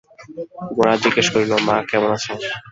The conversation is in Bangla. গোরা জিজ্ঞাসা করিল, মা কেমন আছেন?